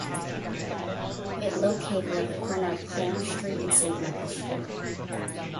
It located at the corner of Clarence Street and St Michael Street.